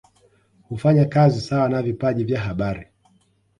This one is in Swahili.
Hufanya kazi sawa na vipaji vya habari